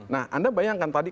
nah anda bayangkan tadi